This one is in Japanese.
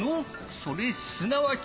それすなわち。